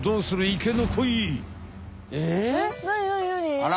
あら。